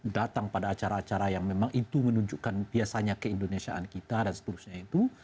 datang pada acara acara yang memang itu menunjukkan biasanya keindonesiaan kita dan seterusnya itu